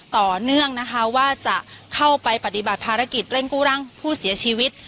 ต่อเนื่องนะคะว่าจะเข้าไปปฏิบัติภารกิจเร่งกู้ร่างผู้เสียชีวิต